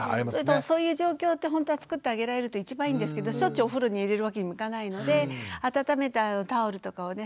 そういう状況ってほんとはつくってあげられると一番いいんですけどしょっちゅうお風呂に入れるわけにもいかないので温めたタオルとかをね